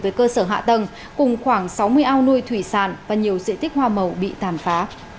với cơ sở hạ tầng cùng khoảng sáu mươi ao nuôi thủy sản và nhiều diện tích hoa màu bị tàn phá